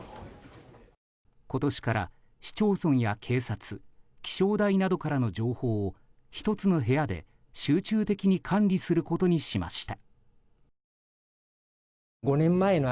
今年から市町村や警察気象台などからの情報を１つの部屋で集中的に管理することにしました。